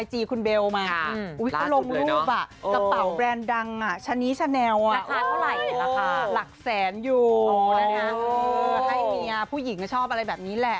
ให้เมียผู้หญิงชอบอะไรแบบนี้แหละ